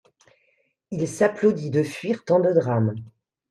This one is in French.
Il s'applaudit de fuir tant de drames.